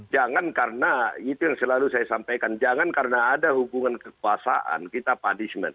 jangan karena itu yang selalu saya sampaikan jangan karena ada hubungan kekuasaan kita punishment